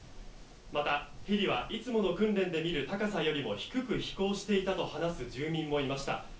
また、ヘリはいつもの訓練で見る高さよりも低く飛行していたと話す住民もいました。